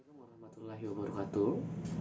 assalamualaikum warahmatullahi wabarakatuh